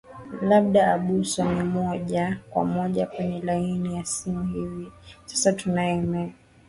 labda abuso mi moja kwa moja kwenye laini ya simu hivi sasa tunae me